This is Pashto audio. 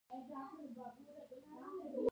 علامه حبیبي د پخوانیو لیکنو ترمیم هم کړی دی.